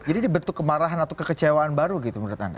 jadi dibentuk kemarahan atau kekecewaan baru gitu menurut anda